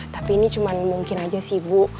tapi ini cuma mungkin aja sih bu